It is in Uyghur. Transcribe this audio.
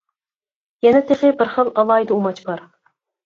يەنە تېخى بىر خىل ئالاھىدە ئۇماچ بار.